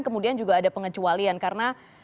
kemudian juga ada pengecualian karena